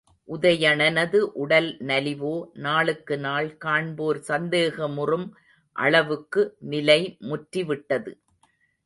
உதயணனது உடல்நலிவோ நாளுக்கு நாள் காண்போர் சந்தேகமுறும் அளவுக்கு நிலைமுற்றிவிட்டது.